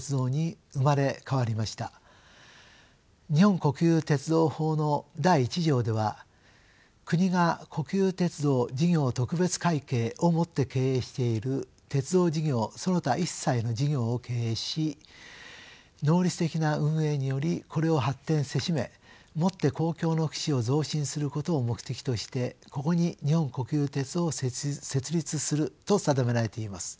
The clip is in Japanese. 「日本国有鉄道法」の第１条では「国が国有鉄道事業特別会計をもって経営している鉄道事業その他一切の事業を経営し能率的な運営によりこれを発展せしめもって公共の福祉を増進することを目的としてここに日本国有鉄道を設立する」と定められています。